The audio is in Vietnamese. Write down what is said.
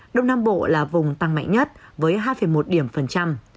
đông nam bộ là vùng tăng mạnh nhất với hai một điểm phần trăm